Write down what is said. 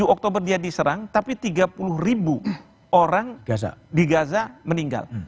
tujuh oktober dia diserang tapi tiga puluh ribu orang di gaza meninggal